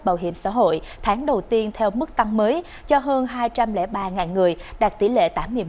bảo hiểm xã hội tháng đầu tiên theo mức tăng mới cho hơn hai trăm linh ba người đạt tỷ lệ tám mươi một